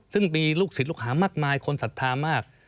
ซึ่งมีลูกศิษย์ลูกหามากมายคนศรัทธามาก